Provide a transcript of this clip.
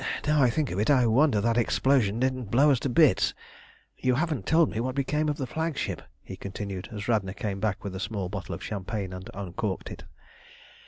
Now I think of it, I wonder that explosion didn't blow us to bits. You haven't told me what became of the flagship," he continued, as Radna came back with a small bottle of champagne and uncorked it.